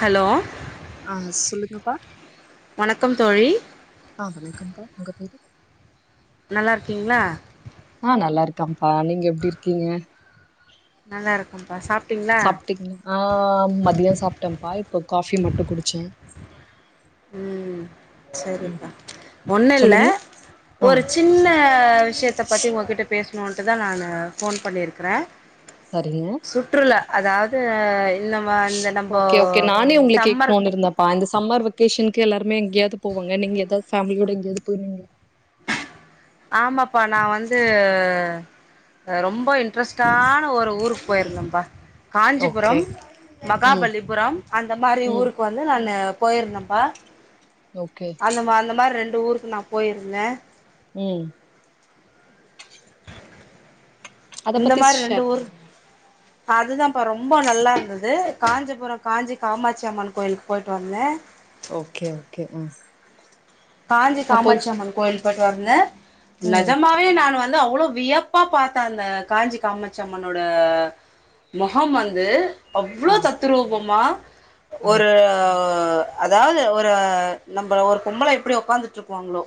Hello ஆ சொல்லுங்கப்பா வணக்கம் தோழி ஆ வணக்கம்ப்பா உங்க பேரு நல்லா இருக்கீங்களா ஆ நல்லா இருக்கம்ப்பா நீங்க எப்டி இருக்கீங்க நல்லா இருக்கம்ப்பா சாப் சாப்ட்டிங்க ஆ மதிய சாப்ட்டேன்ப்பா இப்போ காஃபி மட்டு குடிச்ச ம் சரிப்பா ஒன்னுல்ல சொல்லுங்க ஆ ஒரு சின்ன விஷயத்த பத்தி ஓங்கிட்ட பேசணுன்ட்டு தா நானு ஃபோன் பண்ணியிருக்கறே சரிங்க சுற்றுலா அதாவுது இந்த மா இந்த நம்போ ஓகே ஓகே நானே உங்கள சம்மர் கேக்ணுன்னு இருந்த ப்பா இந்த சம்மர் வெக்கேஷன்க்கு எல்லாருமே எங்கேயாது போவாங்க நீங்க ஏதாது ஃபேமிலியோட எங்கேயாது போனீங்ளா ஆமாப்பா நா வந்து ஆ ரொம்ப இன் ட்ரெஸ்டான ஒரு ஊருக்கு போயிருந்தம்ப்பா ஓகே காஞ்சிபுரம் ம் மகாபலிபுரம் அந்த மாரி ம் ஊருக் கு வந்து நானு போயிருந்தம்ப்பா ஓகே அந்த மா அந்த மாரி ரெண்டு ஊருக்கு நா போயிருந்த ம் அத இந்த பத்தி மாரி ரெண்டு ஷேர் ஊருக் பண்ணுங்க அது தாம்ப்பா ரொம்போ நல்லா இருந்தது காஞ்சிபுர காஞ்சி காமாட்சி அம்மன் கோயிலுக்கு போய்ட்டு வந்தே ஓகே ஓகே ஆ காஞ்சி நா போய் காமாட்சியம்மன் கோயில் போய்ட்டு வந்தே ம் நெஜமா வே நானு வந்து அவ்ளோ வியப்பா பாத்தே அந்த காஞ்சி காமாட்சி அம்மனோட மொகம் வந்து அவ்ளோ ஆ தத்துரூபமா ஆ ஒரு அதாவுது ஒரு நம்பள ஒரு பொம்பள எப்டி உக்காந்துட்டு இருப்பாங்களோ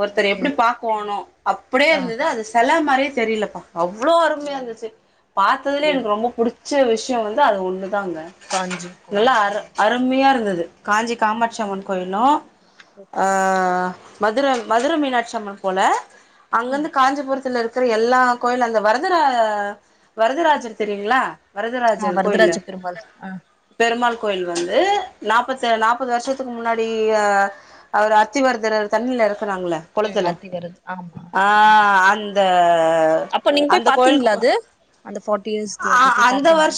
ஒருத்தர ஓகே எப்டி பாக்கோணு அப்டியே ஆ இருந்தது அது செல மாரியே தெரிலப்பா அவ்ளோ ஓ அருமையா இருந்துச்சு பாத்ததுலே ஓ எனக்கு ரொம்ப புடிச்ச விஷ்யோ வந்து அது ஒண்ணுதாங்க காஞ்சி நல்லா கோவில் ஆ அரு அருமையா இருந்தது காஞ்சி ஓகே காமாட்சியம்மன் கோவிலு ஆ ஓகே மதுர மதுர மீனாட்சி அம்மன் போல ம் அங்கருந்து காஞ்சிபுரத்துலருக் குற எல்லா கோயிலு‌ அந்த வரதரா வரதராஜர் தெரியுங்ளா ஆ வரதராஜர் கோயில்ல வரதராஜ பெருமாள் ஆ பெருமாள் கோயில் வந்து நாப்பத்து நாப்பது வருஷத்துக்கு முன்னாடி அவர‌ அத்திவர்தர தண்ணில எறக்குனாங்கல்ல ம் கொளத்துல அத்தி வருது ஆமா ஆ ஆமா அந் த அப்ப நீங்க போய் பாத்தீங்ளா அது அந்த ஃபார்ட்டி இயர்ஸ்து அது போய் பாத்தீங்களா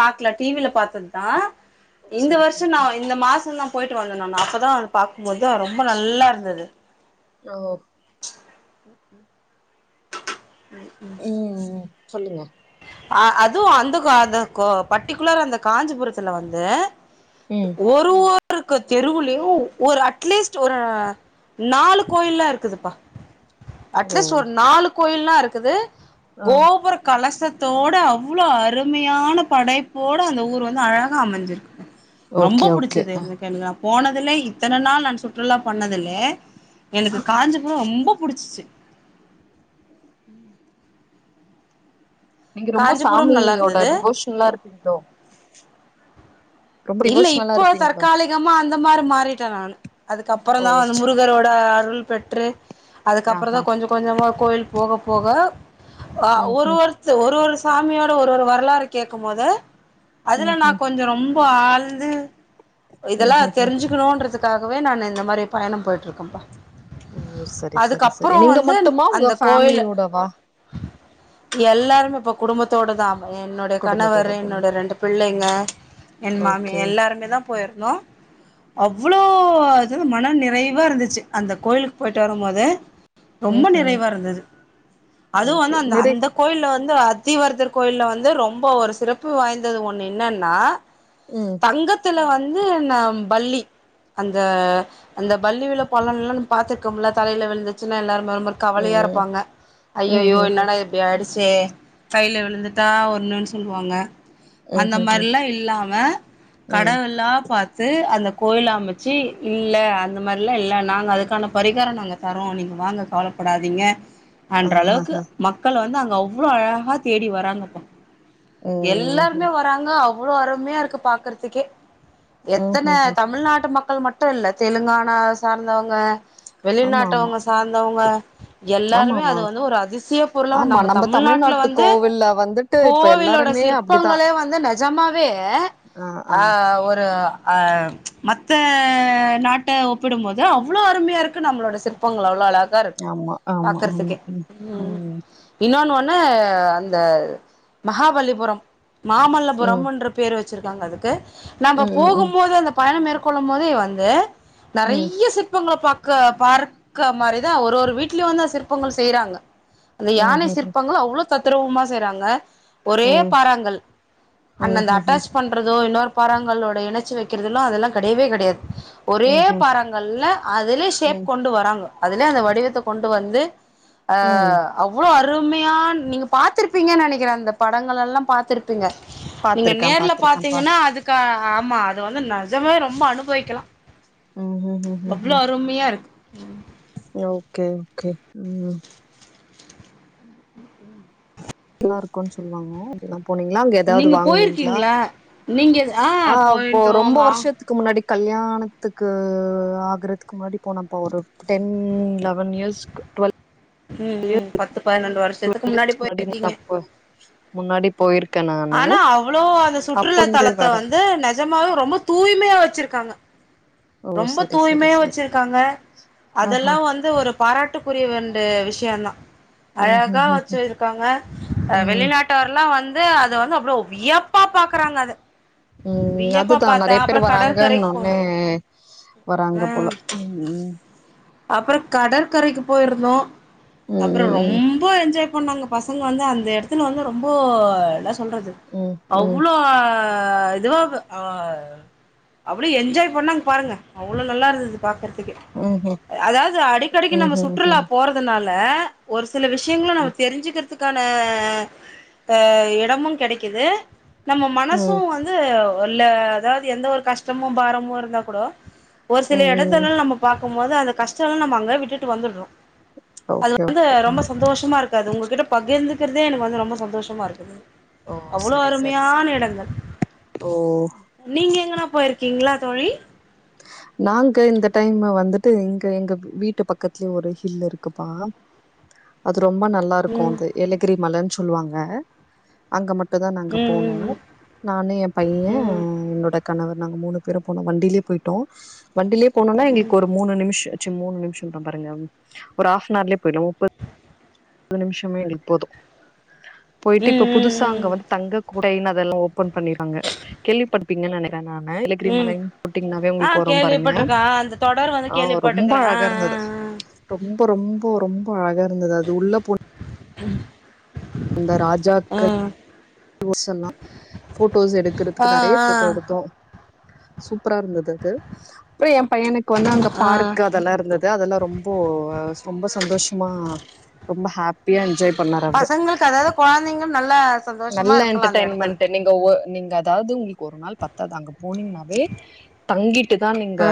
பாக்ல டிவில பாத்தது தா ஓ இந்த சரி வருஷோ சரி நா ஆ இந்த மாசந் தா போய்ட்டு வந்தோ நானு அப்ப தா அது பாக்கும்போது ரொம்ப நல்லா இருந்தது ஓ [inaudible] ம் ம் சொல்லுங்க ஆ அதுவு அந்த கோ அந்த கோ பர்ட்டிகுலரா அந்த காஞ்சிபுரத்துல வந்து ம் ஒரு ஒருக்கு தெருவுலயு ஒரு அட்லீஸ்ட் ஒரு நாலு கோயில்லா இருக்குதுப்பா ஓ அட்லீஸ்ட் ஒரு நாலு கோயில்லா இருக்குது ஆ கோபுர கலசத் தோட அவ்ளோ அருமையான படைப்போட அந்த ஊர் வந்து அழகா அமஞ்சிருக்கு ரொம்ப ஓகே ஓகே புடிச்சது ஆ எனக்கு எனக்குலா போனதுலே இத்தன நாள் நான் சுற்றுலா போனதுலே எனக்கு காஞ்சிபரம் ரொம்ப புடிச்சிச்சு நீங்க ரொம்ப காஞ்சிபுரம் நல்லா சாமியோட இருந்தது டிவோஷன்ல்லா இருப்பீங்களோ ரொம்ப இல்ல டிவோஷனலா இப்போ இருப்பீங்களோ தற்காலிகமா அந்த மாரி மாறிட்டே நானு ஓ அதுக்கப்பறந்தா வந்து ச முருகரோட அருள் பெற்று அதுக்கப்பறந்தா ஆஹா கொஞ்ச கொஞ்சமா கோயில் போக போக ஆ ம் ஒரு ம் ஒரு இது ஒரு ஒரு சாமியோட ஒரு ஒரு வரலாறு கேட்கும் போது அதுல ம் நா ம் கொஞ்சோ ரொம் ப ஆழ்ந்து ம் இதெல்லா ம் ம் தெரிஞ்சு க்கணுன்றதுக்காகவே நானு இந்த மாரி பயணம் போயிட்டு இருக்கேன்ப்பா ஓ சரி சரி சரி அதுக்கப்புறோ நீங்க வந்து மட்டுமா உங்க ஃபேமிலியோட வா எல்லாருமேப்பா குடும்பத்தோட தா என்னுடைய குடும்பத்தோட கணவரு போனீ என்னோடைய ரெண்டு பிள்ளைங்க என் மாமி எல்லாருமே தா போயிருந்தோ அவ்வளோ இது மன நிறைவா இருந்துச்சு அந்த கோயிலுக்கு போயிட்டு வரம் போது ரொம்ப நிறைவா இருந்தது அதுவு வந்து அந்த அந்த கோயில்ல வந்து அத்திவர்தர் கோயில்ல வந்து ரொம்ப ஒரு சிறப்பு வாய்ந்தது ஒன்னு என்னன்னா ம் தங்கத்துல வந்து ந பல்லி அந்த அந்த பல்லி விழும் பலன்ல்லா நம்ம பாத்துருக்கோம்ல தலையில விழுந்துச்சுன்னா எல்லாருமே ஒரு மாரி கவலையா இருப்பாங்க அய்யய்யோ என்னடா இது இப்டி ஆயிடுச்சே கையில விழுந்துட்டா ஒன்னுன் சொல்லுவாங்க அந்த மாரிலா இல்லா ம கடவுளா பாத் து அந்த கோயில அமச்சு இல்ல அந்த மாரிலா இல்ல நாங்க அதுக்கான பரிகாரோ நாங்க தர்றோ நீங்க வாங்க கவலப்படாதீங்க அன்ற அளவுக்கு ஆஹஹ. மக்கள் வந்து அங்க அவ்ளோ அழகா தேடி வர்றாங்கப்பா ம். எல்லாருமே வர்றாங்க அவ்ளோ அருமையா இருக்கு பாக்குறதுக்கே எத்தன ம்ஹ்ஹ்ம். தமிழ்நாட்டு மக்கள் மட்டு இல்ல தெலுங்கானா சார்ந்தவங்க ஆமாமா. வெளிநாட்டவங்க சார்ந்தவங்க எல்லாருமே ஆமாமா. அத வந்து ஒரு அதிசய பொருளா வந்து ஆமா. நம்ம தமிழ்நாட்ல தமிழ்நாட்டு வந்து கோவில்ல வந்துட்டு இப்ப கோவிலோட எல்லாருமே அப்டிதான். சிற்பங்களே வந்து நெஜமாவே ஆ ஆ ஒரு ஆ மத்த நாட்ட ஒப்பிடும்போது அவ்ளோ அருமையா இருக்கு நம்மளோட சிற் பங்கள் அவ்வளோ அழகா இருக்கு ஆமா, ஆமா, ஆமா. பாக்குறதுக்கே ம் இன்னொன்னு ஒன்னு அந்த மகாபலிபுரம் மாமல்லபுரம்ன்ற பேர் வச்சிருக்காங்க அதுக்கு நம்ம ம். ம். ம். போகும் போது அந்த பயணம் மேற்கொள்ளும் போதே வந்து ம். நெறைய சிற்பங்கள பாக் க்க பார்க்க மாரிதா ஒரு ஒரு வீட்லயு வந்து சிற்பங்கள் செய்றாங்க அந்த ம். யானை ஹுஹு. சிற்பங்கள் அவ்வளோ தத்துருவமா செய்றாங்க ஒரே ம். பாறாங்கல் ம். அந்தந்த ஹுஹு. பண்றதோ இன்னொரு பாறாங்கல்ளோட இணச்சு வக்கிறதுல்லா அதெல்லா கெடையவே கெடையாது ஒரே ம்ஹ்ம். பாறாங்கள்ல அதுலயே ஷேப் ம். கொண்டு வராங்க அதுலயே அந்த வடிவத்த கொண்டு வந்து ஆ ம். அவ்ளோ அருமையா நீங்க பாத்துருப்பீங்கன்னு நெனக்கிறே அந்த படங்கள் எல்லா பாத்துருப்பீங்க பாத்துருக்கேன், நேர்ல பாத்துருக்கேன்ப்பா. பாத்தீங்கன்னா அதுக்கு ஆமா அது வந்து நெஜமாவே ரொம்ப அனுபவிக்கலா ம். ஹுஹுஹுஹு. அவ்ளோ அருமையா இருக் ஓக்கே ஓக்கே ம் நல்லா இருக்குன் சொல்லுவாங்க அப்டிலாம் போனீங்ளா அங்க ஏதாவது நீங்க வாங்கனீங்ளா போயிருக்கீங்களா நீங்க ஆ அப்போ போயிட்டோ ரொம்ப வா வருஷ்த்துக் க்கு முன்னாடி கல்யாணத்துக்கு ஆகுறதுக்கு முன்னாடி போனப்போ ஒரு டென் லெவன் இயர்ஸ் டுவல் ம் ம் பத்து பன்னெண்டு வருஷத்துக்கு முன்னாடி இயர்ஸ்க்கு போயிருக்கீங்க அப்ப முன்னாடி போயிருக் ஆனா அவ்ளோ அத சுற்றுலா இருந்தே தலத்த வர வந்து நெஜமாவே ரொம்ப தூய்மையா வச்சிருக்காங்க ஓ ரொம்ப சரி சரி தூய்மையா சரி வச்சிருக்காங்க அதெல்லா ஆஹா வந்து ஒரு பாராட்டுக்குரிய வேண்டு விஷ்ய தா ம் ம் அழகா ம் வச்சிருக்காங்க அ ம் வெளிநா ட்டார்லா வந்து அத வந்து அவ்ளோ வியப்பா பாக்குறாங்க அத ம் வியப்பா அதுதா பாத்தே நெறைய பேர் அப்றோ கடற்கரைக்கு போ வராங்கன்னோனே வராங்க போல ம் அப்றோ கடற்கரைக்கு போயிருந்தோ அப்றோ ம் ரொம் ம் ம்ப என்ஜாய் பண்ணாங்க பசங்க வந்து அந்த எடத்துல வந்து ரொம்போ எல்லா சொல்றது ம் ம் அவ்ளோ இதுவா அ அவ்ளோ என்ஜாய் பண்ணாங் பாருங்க அவ்ளோ நல்லாருந்தது பாக்றதுக்கே ம் ஹூ அதாவது அடிக்கடிக்கு நம்ம சுற்றுலா போறதுனால ஒரு சில விஷ்யங்ள நம்ம தெரிஞ்சுக்கிற துக்கான அ எடமு கெடைக்கிது நம்ம மனசு ம் வந் து ஒல்ல அதாவது எந்த ஒரு கஷ்டமு பாரமு இருந்தா கூட ஒரு சில ம் எடத்துலல நம்பப் பாக்குபோது அந்த கஷ்டல நம்ம அங்க விட்டுட்டு வந்துறோ அது ஓகே வந்து ஓகே ரொம்ப சந்தோஷமா இர்க் அது உங்ககிட்ட பகிர்ந்துக்கிறதே எனக்கு வந்து ரொம்ப சந்தோஷமாருக்குது ஓ அவ்ளோ சரி சரி சரி அருமையான எடங்கள் ஓ நீங்க எங்கனா போயிருக்கீங்ளா தோழி நாங்க இந்த டைம்ம வந்துட்டு இங்க எங்க வீ வீட்டு பக்கத்துலயே ஒரு ஹில்லு இருக்குப்பா அது ரொம்ப நல்லாருக்கு ம் அது ஏலகிரி மலனு சொல்வாங்க அங்க மட்டு தா நாங்க ம் ம் போனோ ம் நானு ஏ பைய ம் என்னோட கணவர் நாங்க மூணு பேரு போனோ வண்டிலேயே போயிட் டோ வண்டிலே போனோனா ம் எங்களுக்கு ஒரு மூணு நிம்ஷ் ச்சி மூணு நிமிஷ்ஷோன்றே பாருங்க ஒரு ஆஃப் னார்லயே போய்டு முப்பது முப்பது நிம்ஷமே எங்களுக்கு போது ம் போயிட்டு இப்ப புதுசா அங்க ம் ம் வந்து தங்க குடைன் அதெல்லா ஓபன் பண்ணிற்வாங்க கேள்விப்படுத்திங்கனு நெனக்கக் நானு ஏலகிரி ம் மலைன்னு போட்டீங்னா ஆ கேள்விப்பட்ருக்க ஆ அந்த தொடர் வந்து ஆ ரொம்ப கேள்விப்பட்டுக்குறே ஆ அழகா இருந்தது ஆ ஆ ரொம்ப ரொம்ப ரொம்ப அழகா இருந்தது அது உள்ள போண் ம் அந்த ராஜாக்கள் ஓர்ஸ் எல்லா போட்டோஸ் ஆ ஆ எடுக்றதுக்கு நெறைய போட்டோ எடுத் தோ சூப்பரா இருந்தது அது அப்றோ ஏ பையனுக்கு வந்து அங்க ஆ ஆ பார்க்கு அதலா இருந்தது த அதெல்லா ரொம்போ ரொம்ப சந்தோஷமா ரொம்ப ஹாப்பியா என்ஜாய் பண்ணாரு அவ்ரு பசங்களுக்கு அதாவது கொழந்தைங்க நல்லா சந்தோஷமா இருக்குலா அந்த எடத்துல என்டர்டெயின்மெண்ட் நீங்க ஓ நீங்க அதாவ்து உங்கிள் ஒரு நாள் பத்தாது அங்க போனீங்னாவே தங்கிட்டு தா நீங்க ஆ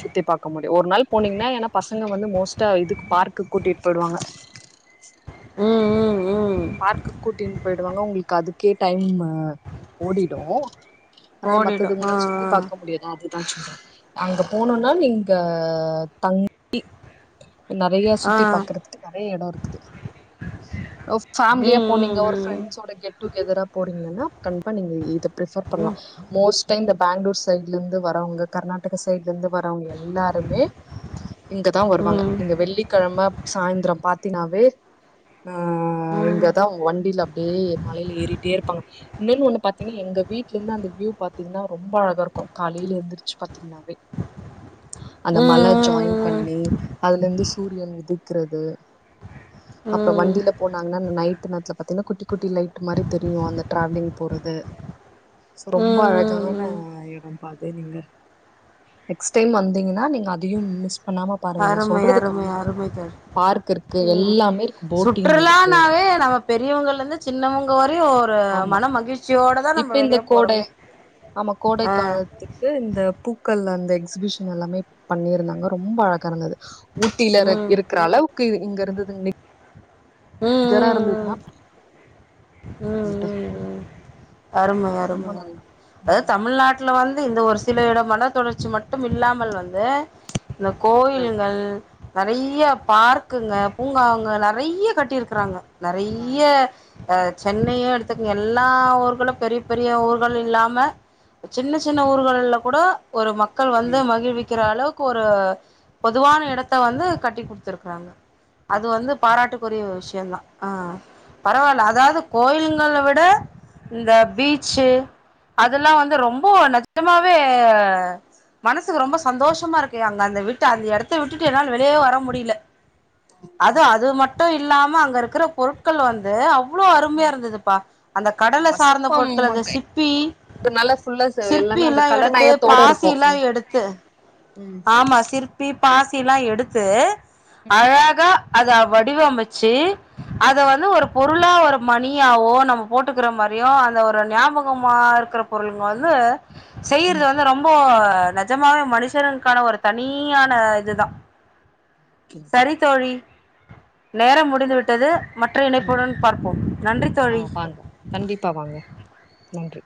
சுத்தி பா க்க முடியு ஒரு நாள் போனீங்னா ஏனா பசங்க வந்து மோஸ்டா இதுக்கு பார்க்குக் கூட்டிட் போய்டுவாங்க ம் ம் ம் பார்க்குக் கூட்டின் போய்டுவாங்க உங்ளுக் அதுக்கே டைமு ஓடிடு அனால ஓடிடு ஆ மத்ததுங்கள் சுத்தி பாக்க முடியாது அதுதா சொல்ற அங்க போனுனா நீங்க தங் நெறையா ஆ ஆ சுத்தி பாக்றதுக்கு நெறையா எடோ இருக்குது ஒ ஃபேம்லியா ம் போனீங்க ஒரு ம் ஃபிரெண்ட்ஸோட கெட் டுகேதரா போறீங்கன்னா கண்ப்பா நீங்க இத ப்ரிஃபர் பண்லா ம் மோஸ்ட்டா இந்த பேங்ளூர் சைட்ல இர்ந்து வரவ்ங்க கர்நாடக்கா சைட்ல இர்ந்து வரவ்ங்க எல்லா ரு மே இங்கதா ம் வருவாங்க ம் இந்த வெள்ளிக்கெழம சாய்ந்திரோ பாத்தினாவே ஆ இங்கதா வண்டில அப்டியே மழைல ஏறிட்டே இருப்பாங்க இன்னோனு ஒன்னு பாத்தீங்னா எங்க வீட்லந்து அந்த வியூ பாத்தீங்னா ரொம்ப அழகா இருக்கு காலேல எந்திரு ச்சு பாத்தீங்ன்னாவே அந்த ம் ம் ம் மல ஜாய்ன் பண்ணி அதுலர்ந்து சூரியன் உதிக்றது அப்றோ ம் ம் ம் வண்டில போனாங்கன் நைட்டு நேர்த்ல பாத்தீங்னா குட்டி குட்டி லைட்டு மாரி தெரியு அந்த டிராவ்லிங் போறது சோ ரொம்ப அழகான ம் இடோ பாக்க நீங்க நெக்ஸ்ட் டைம் வந்தீங்கினா நீங்க அதையு மிஸ் பண்ணாம பாருங்க நா மை சொல்றது அருமை கம்மிதா அருமை தோழி பார்க் இருக்கு ம் எல்லாமே இருக்கு போட்டிங் இருக்கு சுற்றுலானாவே நம்ம பெரியவ்ங்கலர்ந்து சின்னவங்க வரையு ப ஆமா மன மகிழ்ச்சியோடதா இப்ப நம்ம இந்த வெளிய கோடை போறோமே ஆ இது இந்த பூக்கள் அந்த எக்ஸுபிஷன் எல்லாமே பண்ணிருந்தாங்க ரொம்ப அழகா இருந்தது ஊட்டிலற ம் இருக்ற அளவுக்கு இது இங்க இருந்தது நெ ம் கறா ம் ம் இருந்ததுனா ம் ம் ம் அரும அரும ரொம்ப அரும நல்லா இருக்கு ம் அதாது தமிழ்நா ட்ல வந்து இந்த ஒரு சில இடம் மல தொடர்ச்சி மட்டும் இல்லாமல் வந்து இந்த கோயில்கள் நெறைய பார்க்குங்க பூங்காங்க நெறைய கட்டிருக்குறாங்க ஆ நெறைய அ சென்னையு எடுத்துக்ங்க எல்லா ஊர்களு பெரி பெரிய ஊர்கள் இல்லாம சின்ன சின்ன ஊர்கள்ல கூட ஒரு மக்கள் வந்து ம் மகிழ்விக்கிற அளவ் க்கு ஒரு பொதுவான எடத்த வந்து கட்டி குடுத்துருக்றாங்க ஆ அது வந்து பாராட்டுக்குரிய ஒரு விஷ்யோந்தா ஆ பரவால்ல அதாவ்து கோயிலுங்கள விட இந்த பீச்சு அதெல்லா வந்து ரொம்போ நெஜமாவே மனசுக்கு ரொம்ப சந்தோஷமா இருக்கு அங்க அந்த விட்டு அந்த எடத்த விட்டுட்டு என்னால் வெளியே வர முடியில அதூ அது மட்டு இல்லாம அங்க இருக்குற பொருட்கள் வந்து அவ் வுளோ அருமையா ம் இருந்ததுப்பா அந்த கடல ஆமா சார்ந்த சிற்பம் பொருட்கள் அந்த சிப்பி இதனால ஃபுல்லா எல்லாமே அந்த சிற்பிலா எடுத்து கலநயத்தோட இருக்கு பாசில்லா எடுத்து ம் ஆமா சிற் பி பாசிலா எடுத்து ம் அழகா அத வடிவமைச்சு அத ம் வந்து ஒரு பொ ருளா ஒரு மணியாவோ நம்ம போட்டுக்கிற மாரியோ அந்த ஒரு ஞாபகமா இருக்கிற பொருள்ங்க வந்து ம் செய்யறது வந்து ரொம்ப நெஜமாவே மனுஷனுக்கான ஒரு தனியான இதுதா ம் சரி தோழி நேரம் முடிந்து விட்டது மற்ற ம் இணைப்புடன் பார்ப்போம் நன்றி ஆ தோழி வாங்க கண்டிப்பா வாங்க நன்றி